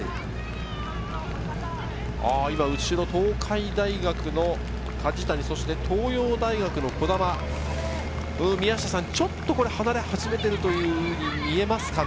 後ろ東海大学の梶谷、東洋大学の児玉、ちょっと離れ始めたというふうに見えますかね。